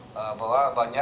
bahwa ini adalah imbecikasinya